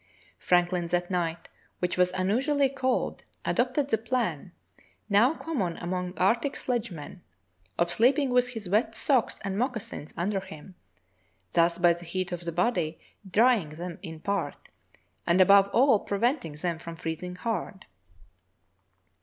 Franklin that night, which was unusually cold, adopted the plan, now common among arctic sledge men, of sleeping with his wet socks and moccasins un der him, thus by the heat of the body drying them in part, and above all preventing them from freezing hard.